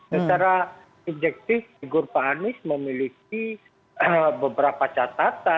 secara objektif figur pak anies memiliki beberapa catatan